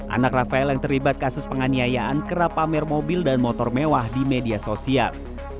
anak rafael yang terlibat kasus penganiayaan kerap pamer mobil dan motor mewah di media sosial